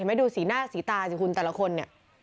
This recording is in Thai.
ไม่ดูสีหน้าสีตาสิคุณแต่ละคนเนี่ย